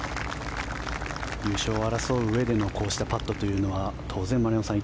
優勝を争ううえでのこうしたパットというのは当然、丸山さん